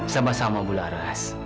sama sama ibu laras